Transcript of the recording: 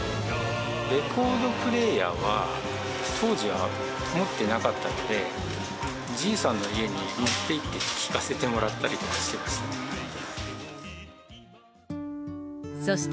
レコードプレーヤーは、当時は持ってなかったんで、じいさんの家に持っていって聴かせてもらったりとかしてました。